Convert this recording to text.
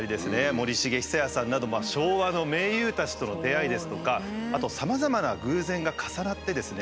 森繁久彌さんなど昭和の名優たちとの出会いですとかあとさまざまな偶然が重なってですね